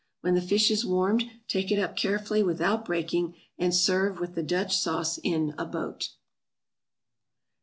When the fish is warmed take it up carefully without breaking and serve with the Dutch sauce in a boat.